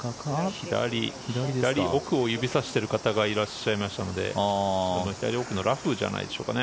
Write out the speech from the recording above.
左奥を指さしている方がいらっしゃったので左奥のラフじゃないでしょうかね。